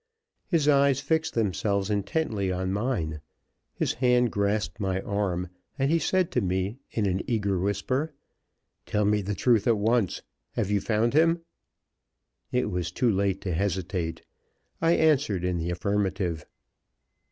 His eyes fixed themselves intently on mine; his hand grasped my arm; and he said to me in an eager whisper: "Tell me the truth at once. Have you found him?" It was too late to hesitate. I answered in the affirmative.